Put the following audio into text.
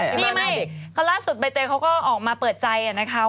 นี่ไม่ล่าสุดใบเตยเขาก็ออกมาเปิดใจนะคะ